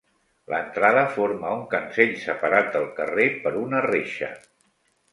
L'entrada forma un cancell separat del carrer per una reixa.